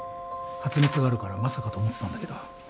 発熱があるからまさかと思ってたんだけど。